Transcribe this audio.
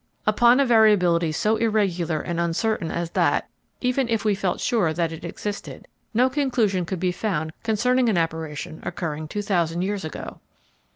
Upon a variability so irregular and uncertain as that, even if we felt sure that it existed, no conclusion could be found concerning an apparition occurring 2000 years ago.